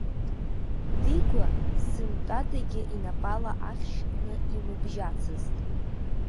Дигәа сынтәадагьы инапала ахьшь кны имыбжьацызт.